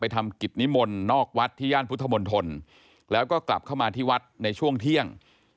ทำกิจนิมนต์นอกวัดที่ย่านพุทธมนตรแล้วก็กลับเข้ามาที่วัดในช่วงเที่ยง